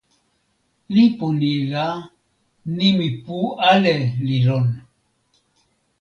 lipu ni la, nimi pu ale li lon.